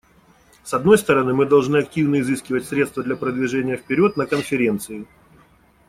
С одной стороны, мы должны активно изыскивать средства для продвижения вперед на Конференции.